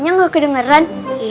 kayaknya gak kedengeran